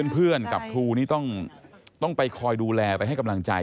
เพื่อนกับครูนี่ต้องไปคอยดูแลไปให้กำลังใจ